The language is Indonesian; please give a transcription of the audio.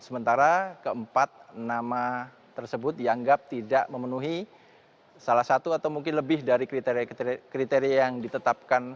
sementara keempat nama tersebut dianggap tidak memenuhi salah satu atau mungkin lebih dari kriteria yang ditetapkan